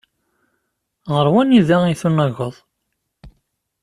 Ɣer wanida ay tunageḍ?